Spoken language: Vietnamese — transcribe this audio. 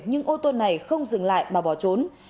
nhưng ô tô này không dừng lại mà bỏ trốn